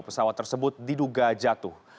pesawat tersebut diduga jatuh